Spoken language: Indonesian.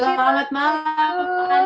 selamat malam apa kabar